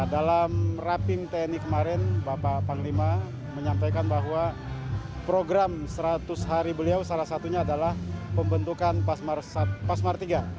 dalam raping tni kemarin bapak panglima menyampaikan bahwa program seratus hari beliau salah satunya adalah pembentukan pasmar tiga